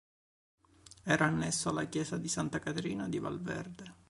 Era annesso alla chiesa di Santa Caterina di Valverde.